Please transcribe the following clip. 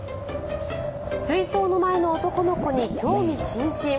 水槽の前の男の子に興味津々。